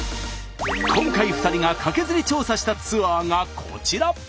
今回２人がカケズリ調査したツアーがこちら。